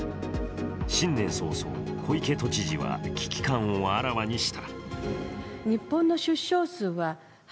新年早々、小池都知事は危機感をあらわにした。